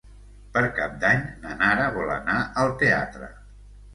Per Cap d'Any na Nara vol anar al teatre.